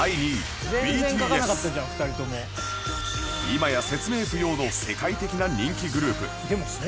今や説明不要の世界的な人気グループ